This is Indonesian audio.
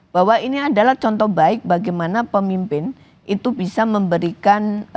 bahwa ini adalah contoh baik bagaimana pemimpin itu bisa memberikan